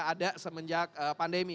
ada semenjak pandemi